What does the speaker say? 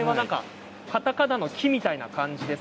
カタカナの「キ」みたいな感じです。